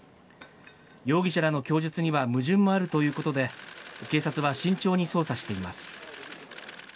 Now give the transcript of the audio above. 容疑者らの供述には矛盾もあるということで、警察は慎重に捜査しています。